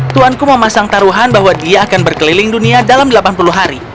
tuanku memasang taruhan bahwa dia akan berkeliling dunia dalam delapan puluh hari